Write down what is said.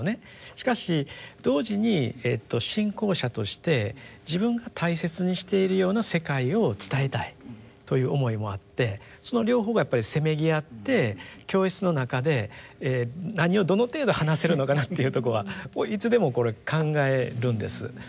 しかし同時に信仰者として自分が大切にしているような世界を伝えたいという思いもあってその両方がやっぱりせめぎ合って教室の中で何をどの程度話せるのかなというとこはいつでもこれ考えるんです。